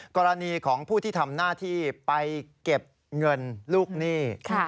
กรณีของผู้ที่ทำหน้าที่ไปเก็บเงินลูกหนี้